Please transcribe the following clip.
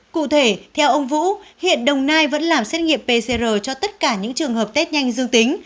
cụ thể theo ông vũ hiện đồng nai vẫn làm xét nghiệm pcr cho tất cả những trường hợp test nhanh dương tính